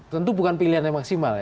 tentu bukan pilihan yang maksimal ya